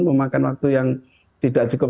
memakan waktu yang tidak cukup